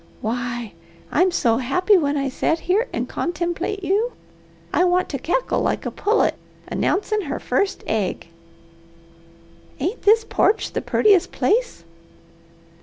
Why I'm so happy when I set here and con tem' plate you, I want to cackle like a pullet announcin' her first egg. Ain't this porch the purtiest place?"